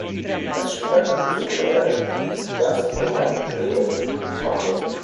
Als Schüler besuchte er das Johanneum Hamburg.